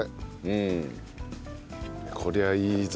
うん。こりゃいいぞ。